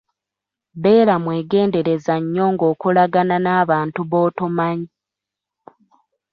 Beera mwegendereza nnyo ng'okolagana n'abantu b'otomanyi.